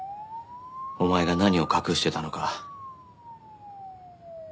お前が何を隠してたのか。